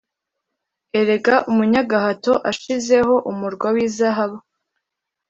erega umunyagahato ashizeho umurwa w’izahabu